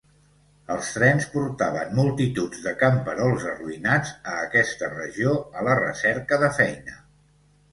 Els trens portaven multituds de camperols arruïnats a aquesta regió a la recerca de feina.